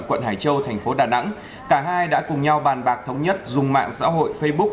quận hải châu thành phố đà nẵng cả hai đã cùng nhau bàn bạc thống nhất dùng mạng xã hội facebook